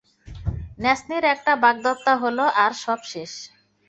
ন্যান্সির একটা বাগদত্তা হলো আর সব শেষ।